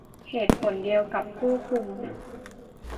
เหตุผลเดียวกับผู้คุม